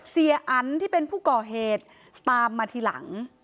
เสียอันที่เป็นผู้ก่อเหตุตามมาทีหลัง